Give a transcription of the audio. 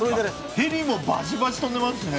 ヘリもバシバシ飛んでますしね。